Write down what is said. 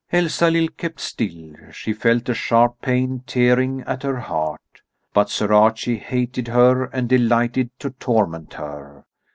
Elsalill kept still; she felt a sharp pain tearing at her heart. But Sir Archie hated her and delighted to torment her.